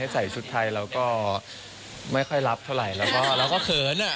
ให้ใส่ชุดไทยเราก็ไม่ค่อยรับเท่าไหร่เราก็เขินอะ